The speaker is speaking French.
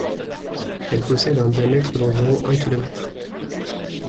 Elle possède un diamètre d'environ un kilomètre.